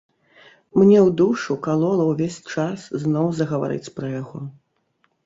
Мне ў душу калола ўвесь час зноў загаварыць пра яго.